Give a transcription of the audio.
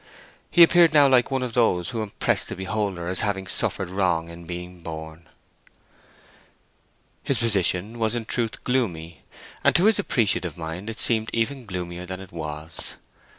He appeared now like one of those who impress the beholder as having suffered wrong in being born. His position was in truth gloomy, and to his appreciative mind it seemed even gloomier than it was.